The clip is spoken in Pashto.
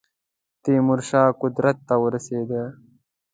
تیمور شاه قدرت ته ورسېدی.